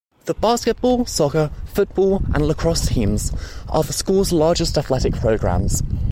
The basketball, soccer, football, and lacrosse teams are the school's largest athletic programs.